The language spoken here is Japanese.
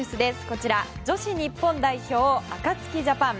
こちら、女子日本代表のアカツキジャパン。